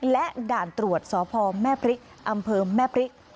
และด่านตรวจสพแม่พริกอำเภอแม่พริก